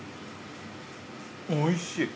おいしい。